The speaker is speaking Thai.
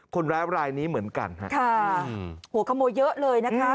คนร้ายรายนี้เหมือนกันฮะค่ะหัวขโมยเยอะเลยนะคะ